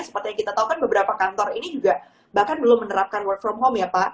seperti yang kita tahu beberapa kantor ini juga bahkan belum menerapkan work from home